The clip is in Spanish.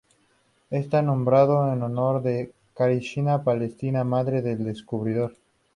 Está nombrado en honor de Katharina Palisa, madre del descubridor.